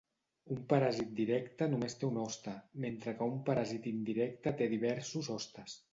Un paràsit directe només té un hoste, mentre que un paràsit indirecte té diversos hostes.